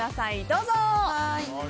どうぞ。